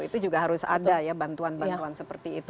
itu juga harus ada ya bantuan bantuan seperti itu